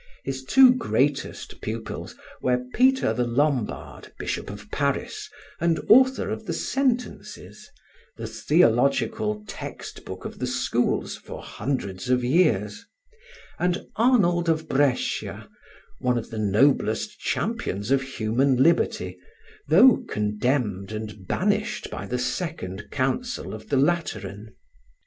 His two greatest pupils were Peter the Lombard, bishop of Paris, and author of the 'Sentences,' the theological text book of the schools for hundreds of years; and Arnold of Brescia, one of the noblest champions of human liberty, though condemned and banished by the second Council of the Lateran.